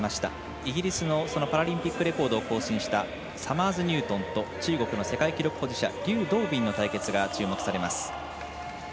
イギリスのパラリンピックレコードを更新したサマーズニュートンと中国の世界記録保持者劉道敏の活躍が注目されます。